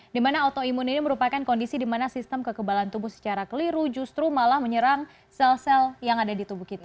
dimana autoimun ini merupakan kondisi di mana sistem kekebalan tubuh secara keliru justru malah menyerang sel sel yang ada di tubuh kita